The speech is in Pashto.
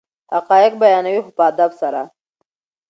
حقایق بیانوي خو په ادب سره.